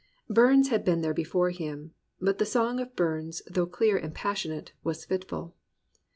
Burns had been there before him; but the song of Burns though clear and passionate, was fitful.